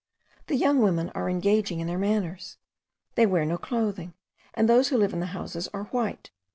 (The young women are engaging in their manners: they wear no clothing, and those who live in the houses ARE WHITE.